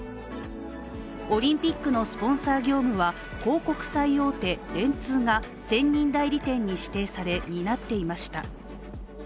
オリンピックのスポンサー業務は広告最大手・電通が専任代理店に指定され担っていました。